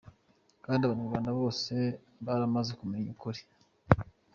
Kandi abanyarwanda bose baramaze kumenya ukuri.